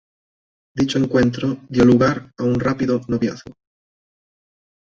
Dicho encuentro dio lugar a un rápido noviazgo.